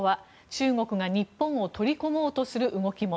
中国が日本を取り込もうとする動きも。